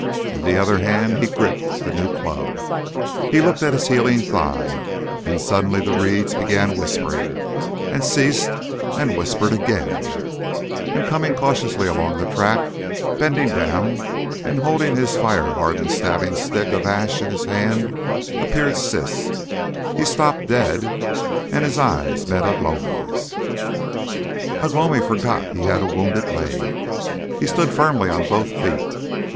In the other hand he gripped the new club. He looked at his healing thigh; and suddenly the reeds began whispering, and ceased and whispered again, and coming cautiously along the track, bending down and holding his fire hardened stabbing stick of ash in his hand, appeared Siss. He stopped dead, and his eyes met Ugh lomi's. Ugh lomi forgot he had a wounded leg. He stood firmly on both feet.